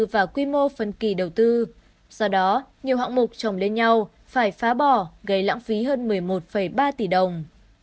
và quy mô phân kỳ đầu tư do đó nhiều hạng mục trồng lên nhau phải phá bỏ gây lãng phí hơn một mươi một ba tỷ đồng